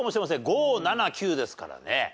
５７９ですからね。